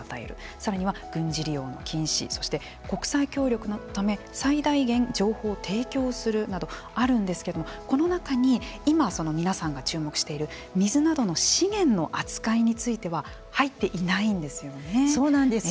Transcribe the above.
さらには軍事利用の禁止そして国際協力のため最大限、情報提供するなどあるんですけどもこの中に今、皆さんが注目している水などの資源の扱いについてはそうなんですよ。